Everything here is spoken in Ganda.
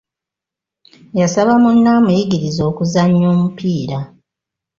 Yasaba munne amuyigirize okuzannya omupiira.